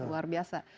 wah luar biasa